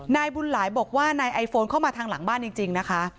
นายบุญหลายบอกว่านายไอโฟนเข้ามาทางหลังบ้านจริงนะคะ